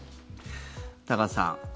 多賀さん